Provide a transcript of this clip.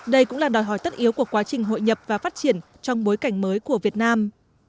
đây cũng là đòi hỏi tất yếu của quá trình hội nhập và phát triển trong bối cảnh mới của việt nam